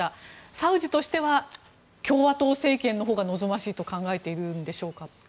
サウジとしては共和党政権のほうが望ましいと考えているんでしょうか。